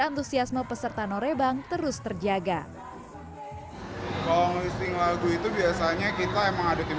antusiasme peserta norebang terus terjaga kalau listing lagu itu biasanya kita emang ada tim